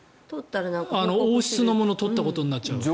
王室のものを取ったことになっちゃうので。